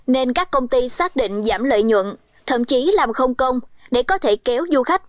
nên các công ty xác định giảm lợi nhuận thậm chí làm không công để có thể kéo du khách